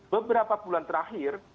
beberapa bulan terakhir